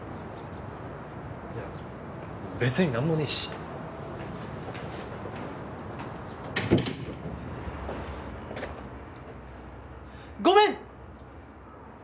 いや別に何もねぇしごめん！